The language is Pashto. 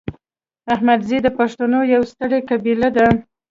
احمدزي د پښتنو یوه ستره قبیله ده